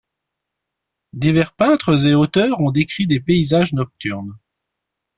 Divers peintres et auteurs ont décrit des paysages nocturnes.